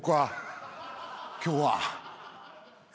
今日は。